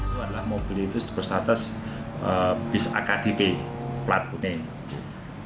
itu adalah mobil itu bersatas bis akdp plat kuning